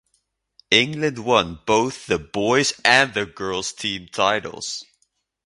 England won both the boys and girls team titles.